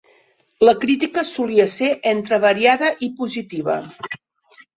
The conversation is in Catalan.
La crítica solia ser entre variada i positiva.